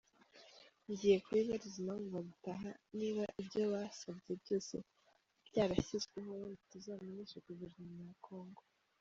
Ngiye kubibariza impamvu badataha niba ibyo basabye byose byarashyizweho, ubundi tuzamenyeshe Guverinoma ya Congo.